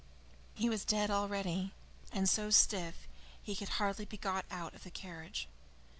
He was dead already, and so stiff that he could hardly be got out of the carriage.